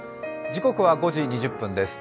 時刻は５時２０分です。